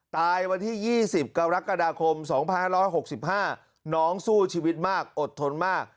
วันที่๒๐กรกฎาคม๒๕๖๕น้องสู้ชีวิตมากอดทนมาก